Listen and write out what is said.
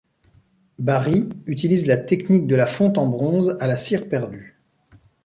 Barye utilise la technique de la fonte en bronze à la cire perdue.